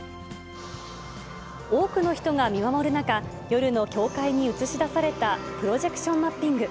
多くの人が見守る中、夜の教会に映し出されたプロジェクションマッピング。